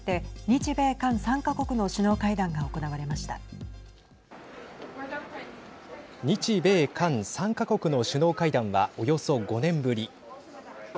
日米韓３か国の首脳会談はおよそ５年ぶり。